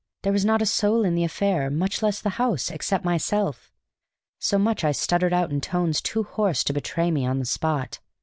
There was not a soul in the affair (much less the house) except myself. So much I stuttered out in tones too hoarse to betray me on the spot.